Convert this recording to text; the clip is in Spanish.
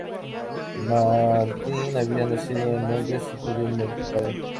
Martyn había nacido en Londres, hijo de un mercader.